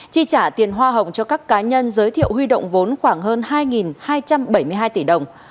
chi trả tiền hoa hồng cho các cá nhân giới thiệu huy động vốn khoảng hơn hai hai trăm bảy mươi hai tỷ đồng